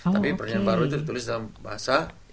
tapi perjanjian baru itu ditulis dalam bahasa